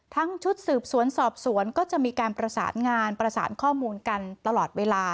ชุดสืบสวนสอบสวนก็จะมีการประสานงานประสานข้อมูลกันตลอดเวลา